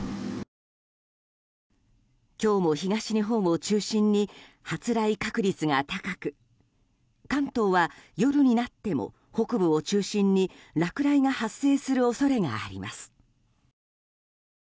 今日も東日本を中心に発雷確率が高く関東は夜になっても北部を中心に落雷が発生する恐れがあります。